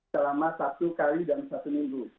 selama satu kali dalam satu minggu